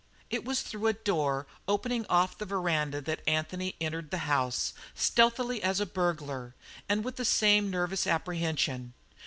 It was through a door opening off the veranda that Anthony entered the house, stealthily as a burglar, and with the same nervous apprehension.